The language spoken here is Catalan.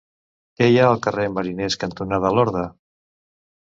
Què hi ha al carrer Mariners cantonada Lorda?